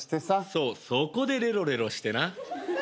そうそこでレロレロしてな。